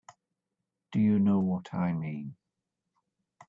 Do you know what I mean?